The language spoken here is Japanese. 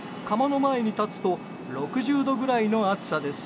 窯の前に立つと６０度ぐらいの暑さです。